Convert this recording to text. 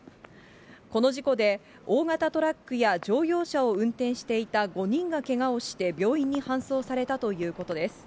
この事故で、大型トラックや乗用車を運転していた５人がけがをして病院に搬送されたということです。